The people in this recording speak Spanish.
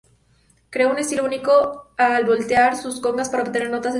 Creó un estilo único al voltear sus congas para obtener notas específicas.